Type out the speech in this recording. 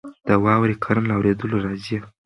د واورې کړنه له اورېدلو راځي.